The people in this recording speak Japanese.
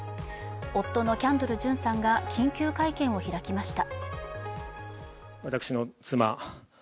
夫のキャンドル・ジュンさんが緊急会見を開きました。